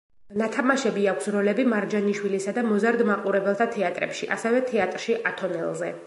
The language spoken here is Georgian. ნათამაშები აქვს როლები მარჯანიშვილისა და მოზარდ მაყურებელთა თეატრებში, ასევე თეატრში ათონელზე.